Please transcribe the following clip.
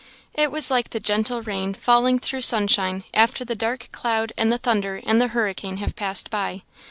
It was like the gentle rain falling through sunshine, after the dark cloud and the thunder and the hurricane have passed by.